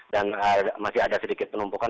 dan masih ada sedikit penumpukan